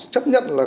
chấp nhận là